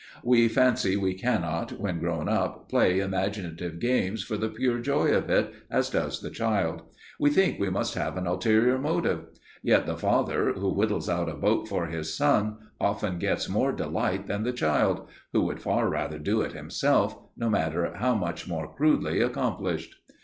We fancy we cannot, when grown up, play imaginative games for the pure joy of it, as does the child; we think we must have an ulterior motive. Yet the father, who whittles out a boat for his son, often gets more delight than the child, who would far rather do it himself, no matter how much more crudely accomplished.